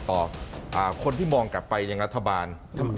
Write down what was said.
ต่อคนที่มองกลับไปอย่างรัฐบาล